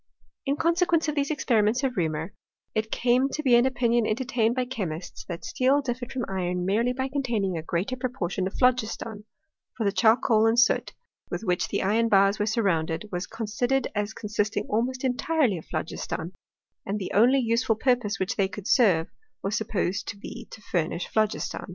In consequence of these experiments of Reaumur, it came to be an opinion entertained by chemists, that Steel differed from iron merely by containing a greater proportion of phlogiston ; for the charcoal and soot with which the iron bars were surrounded was consi dered as consisting almost entirely of phlogiston ; and the only useful purpose which they could serve, was Supposed to be to furnish phlogiston.